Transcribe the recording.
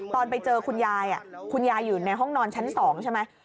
ตอนไปเจอคุณยายคุณยายอยู่ในห้องนอนชั้น๒ใช่ไหม